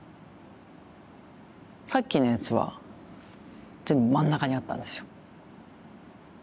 さっきのやつは全部真ん中にあったんですよ。